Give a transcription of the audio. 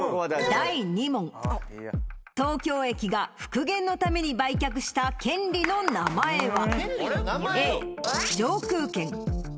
第２問東京駅が復元のために売却した権利の名前は？